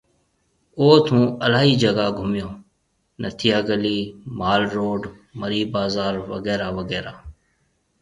اوٿ هون الاهي جگه گھميو، نٿيا گلي، مال روڊ، مري بازار وغيره وغيره